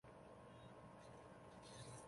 姜氏芋螺为芋螺科芋螺属下的一个种。